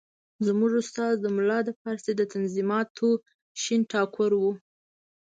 زموږ استاد ملا د فارسي د نظمیاتو شین ټاګور وو.